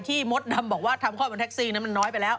มดดำบอกว่าทำคลอดบนแท็กซี่นั้นมันน้อยไปแล้ว